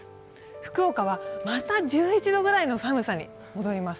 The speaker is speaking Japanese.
福岡はまた１１度くらいの寒さに戻ります。